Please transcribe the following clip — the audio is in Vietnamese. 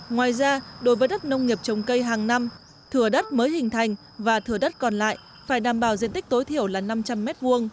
ngoài ra đối với đất nông nghiệp trồng cây hàng năm thừa đất mới hình thành và thừa đất còn lại phải đảm bảo diện tích tối thiểu là năm trăm linh m hai